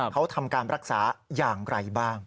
เขาทำการรักษาอย่างไรบ้าง